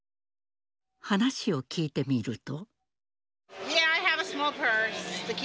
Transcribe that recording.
話を聞いてみると。